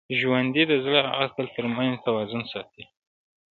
ژوندي د زړه او عقل تر منځ توازن ساتي